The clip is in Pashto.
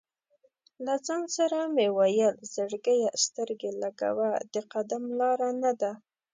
له ځان سره مې ویل: "زړګیه سترګې لګوه، د قدم لاره نه ده".